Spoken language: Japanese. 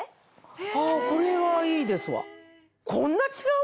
あこれはいいですわ。